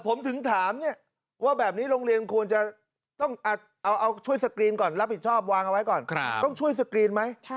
ผมถึงถามว่าแบบนี้ก็จะต้องนับผิดชอบด้วยไหม